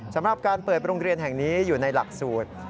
สำหรับการเปิดโรงเรียนแห่งนี้อยู่ในหลักสูตร